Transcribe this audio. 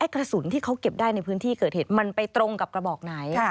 กระสุนที่เขาเก็บได้ในพื้นที่เกิดเหตุมันไปตรงกับกระบอกไหน